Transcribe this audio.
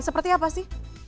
seperti apa sih